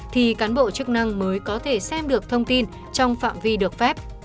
thì cán bộ chức năng mới có thể xem được thông tin trong phạm vi được phép